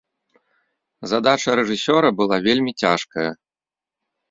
Задача рэжысёра была вельмі цяжкая.